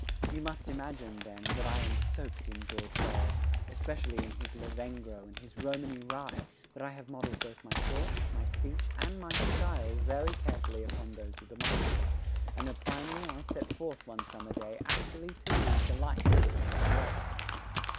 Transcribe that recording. You must imagine, then, that I am soaked in George Borrow, especially in his Lavengro and his Romany Rye, that I have modelled both my thoughts, my speech and my style very carefully upon those of the master, and that finally I set forth one summer day actually to lead the life of which I had read.